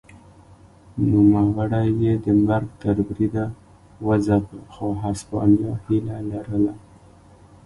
نوموړی یې د مرګ تر بریده وځپه خو هسپانیا هیله لرله.